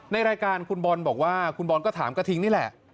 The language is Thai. ในรายการคุณบอลบอกว่าคุณบอลก็ถามกระทิงนี่แหละ